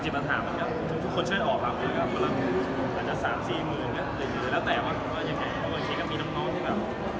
เมื่อเกินถือปัญหาเป็นยังวิกับทุกคนช่วยออกภาพมือครับ